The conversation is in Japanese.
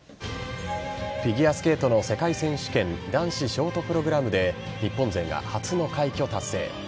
フィギュアスケートの世界選手権男子ショートプログラムで日本勢が初の快挙達成。